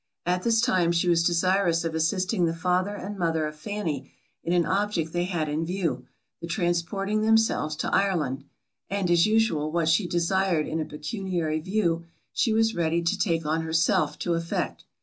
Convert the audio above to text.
At this time she was desirous of assisting the father and mother of Fanny in an object they had in view, the transporting themselves to Ireland; and, as usual, what she desired in a pecuniary view, she was ready to take on herself to effect.